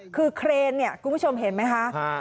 คือเครนคุณผู้ชมเห็นไหมคะมันล้ม